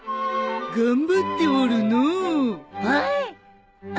・頑張っておるのう。